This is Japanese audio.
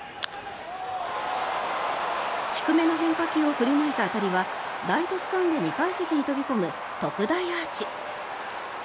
低めの変化球を振り抜いた当たりはライトスタンド２階席に飛び込む特大アーチ。